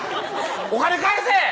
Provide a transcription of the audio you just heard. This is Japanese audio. お金返せ！